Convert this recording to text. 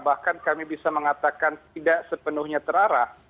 bahkan kami bisa mengatakan tidak sepenuhnya terarah